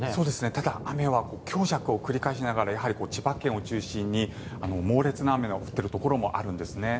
ただ雨は強弱を繰り返しながら千葉県を中心に猛烈な雨が降っているところもあるんですね。